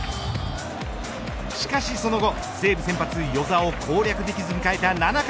しかしその後西武先発與座を攻略できず迎えた７回。